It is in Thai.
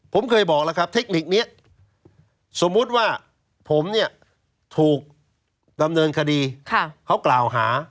ผมเคยบอกแล้วครับเทคนิคนี้สมมุติว่าผมเนี่ยถูกดำเนินคดีเขากล่าวหา